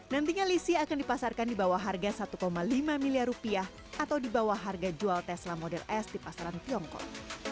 nantinya lisi akan dipasarkan di bawah harga satu lima miliar rupiah atau di bawah harga jual tesla model s di pasaran tiongkok